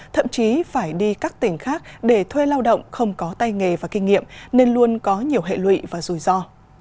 thậm chí phải đi các tỉnh khác để thuê lao động không có tay nghề và kinh nghiệm nên luôn có nhiều hệ lụy và rủi ro